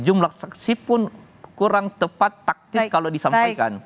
jumlah saksi pun kurang tepat taktis kalau disampaikan